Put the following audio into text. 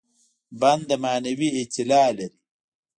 بنده معنوي اعتلا لري.